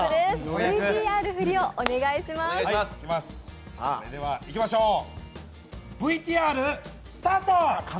それではいきましょうＶＴＲ、スタート。